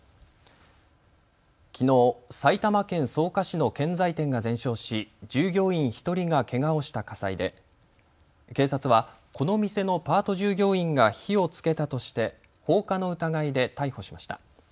きのう、埼玉県草加市の建材店が全焼し従業員１人がけがをした火災で警察はこの店のパート従業員が火をつけたとして放火の疑いで逮捕しました。